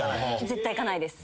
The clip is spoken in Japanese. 絶対行かないです。